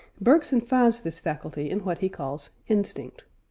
Bergson finds this faculty in what he calls "instinct."